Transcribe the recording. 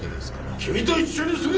君と一緒にするな！